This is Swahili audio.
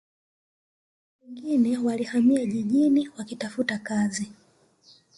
Na wengine walihamia jijini wakitafuta kazi